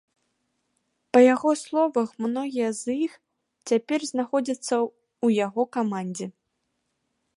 Па яго словах, многія з іх цяпер знаходзяцца ў яго камандзе.